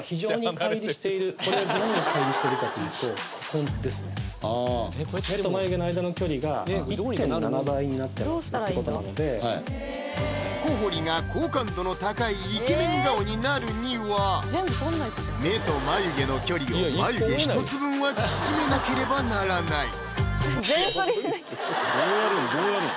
これは何が乖離してるかというとここですね小堀が好感度の高いイケメン顔になるには目と眉毛の距離を眉毛１つ分は縮めなければならないどうやるん？